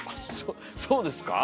そそうですか？